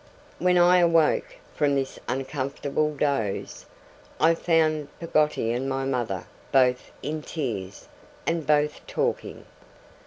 When I half awoke from this uncomfortable doze, I found Peggotty and my mother both in tears, and both talking.